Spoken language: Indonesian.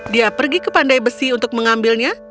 dia pergi ke pandai besi untuk mengambilnya